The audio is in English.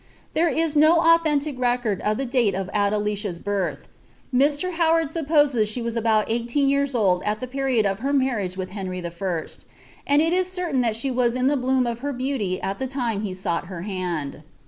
There is no authentic record of Ihe dale of Adelicia^s bltlh. Mr. liowanl aspposee she was about eightceD years old at the perioU of her ~ iniagT wiui Henry I., and it ia certain that she was in the bloom of * beauty at the lime lie sought her liand.